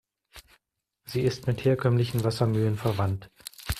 Sie ist mit herkömmlichen Wassermühlen verwandt.